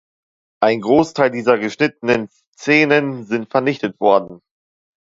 Ein Großteil dieser geschnittenen Szenen sind vernichtet worden.